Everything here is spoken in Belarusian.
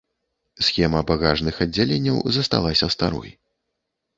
Схема багажных аддзяленняў засталася старой.